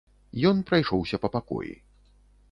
Ён прайшоўся па пакоі.